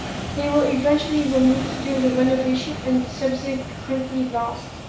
They were eventually removed during a renovation and subsequently lost.